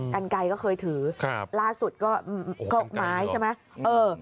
กันไกลก็เคยถือครับล่าสุดก็ไม้ใช่ไหมเออ